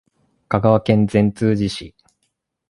香川県善通寺市